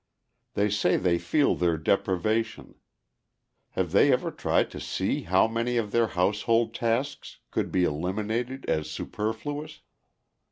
They say they feel their deprivation; have they ever tried to see how many of their household tasks could be eliminated as superfluous?